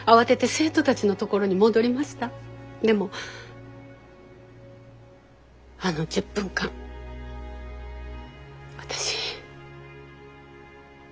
でもあの１０分間私。